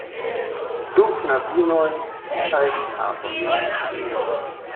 Du knabinojn kaj knabon.